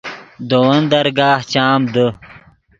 دے ون درگاہ چام دے